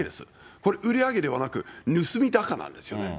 これ、売り上げではなく、盗みだからですよね。